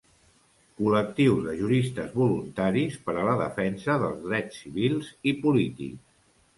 Col·lectius de juristes voluntaris per a la defensa dels drets civils i polítics.